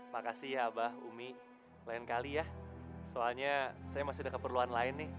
makasih ya abah umi lain kali ya soalnya saya masih ada keperluan lain nih